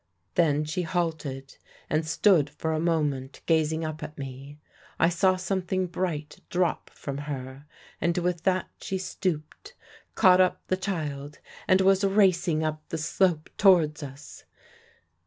Then she halted and stood for a moment gazing up at me. I saw something bright drop from her. And with that she stooped, caught up the child, and was racing up the slope towards us.